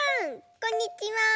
こんにちは！